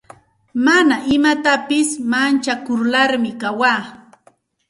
Mana imapitasi manchakularmi kawaa.